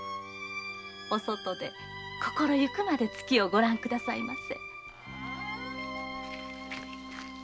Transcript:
お外で心ゆくまで月をご覧くださいませ。